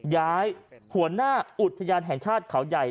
ย้ายหัวหน้าอุทยานแห่งชาติเขาใหญ่